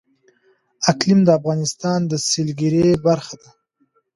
اقلیم د افغانستان د سیلګرۍ برخه ده.